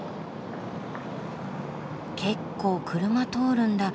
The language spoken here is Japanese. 結構車通るんだ。